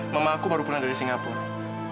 mama aku baru pulang dari singapura